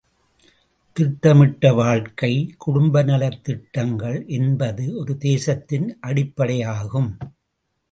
திட்டமிட்ட வாழ்க்கை குடும்ப நலத் திட்டங்கள் என்பது ஒரு தேசத்தின் அடிப்படையாகும்.